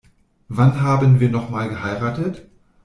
Wann haben wir noch mal geheiratet?